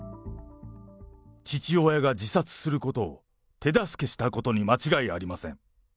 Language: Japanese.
父親が自殺することを手助けしたことに間違いありません。